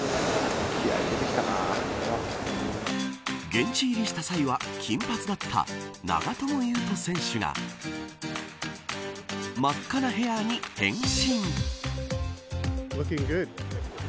現地入りした際は金髪だった長友佑都選手が真っ赤なヘアに変身。